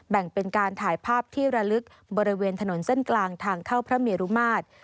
แบ่งเป็นการถ่ายภาพที่ระลึกบริเวณถนนเส้นกลางทางเข้าพระเมรุมาตร